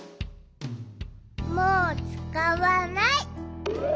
もうつかわない。